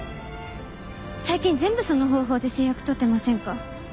最近全部その方法で成約取ってませんか？